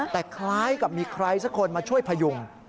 แต่คล้ายกับมีใครสักคนมาช่วยพยุง